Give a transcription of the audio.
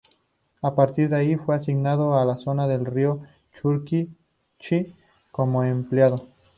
A partir de ahí, fue asignado a la zona del río Churchill como empleado.